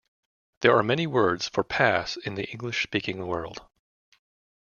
There are many words for "pass" in the English-speaking world.